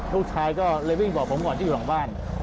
ลูกชายก็เลยวิ่งบอกผมก่อนที่อยู่หลังบ้าน